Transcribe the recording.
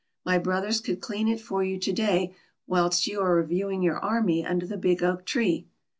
My brothers could clean it for you to day, whilst you are reviewing your army under the big oak tree."